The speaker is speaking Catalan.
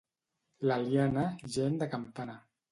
L'Eliana, gent de campana.